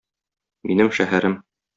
Минем шәһәрем.